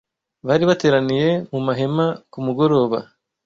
bari bateraniye mu mahema ku mugoroba